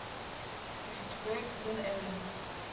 distûrek min ev e.